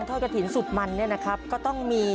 ทุกข้าทุกข้าทุกข้าทุกข้าทุกข้า